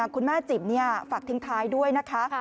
คุณแม่จิ๋มฝากทิ้งท้ายด้วยนะคะ